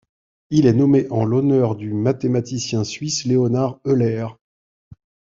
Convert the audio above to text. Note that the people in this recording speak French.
Il est nommé en l'honneur du mathématicien suisse Leonhard Euler.